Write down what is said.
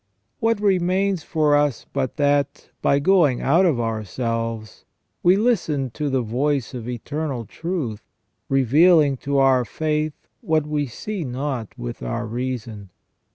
What remains for us but that, by going out of ourselves, we listen to the voice of eternal truth, revealing to our faith what we see not with our reason.